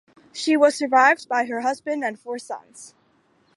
She was survived by her husband and four sons.